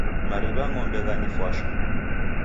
Mariw'agha ng'ombe ghanifwasha.